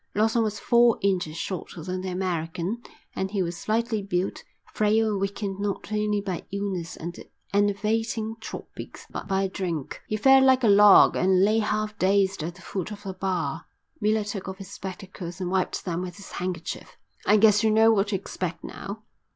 Lawson was four inches shorter than the American and he was slightly built, frail and weakened not only by illness and the enervating tropics, but by drink. He fell like a log and lay half dazed at the foot of the bar. Miller took off his spectacles and wiped them with his handkerchief. "I guess you know what to expect now.